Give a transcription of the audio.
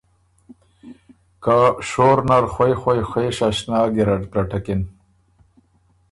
که شور نر خوئ خوئ خوېش اشنا ګیرډ پلټکِن